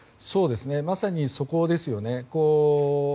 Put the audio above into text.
まさに、そこですよね。